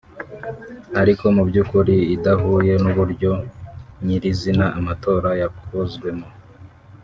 ariko mu by’ukuri idahuye n’uburyo nyirizina amatora yakozwemo